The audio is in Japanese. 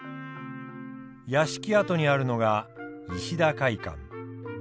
屋敷跡にあるのが石田会館。